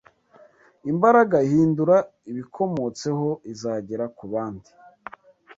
Imbaraga ihindura ibikomotseho izagera ku bandi